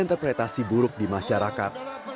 mereka berdua bersahabat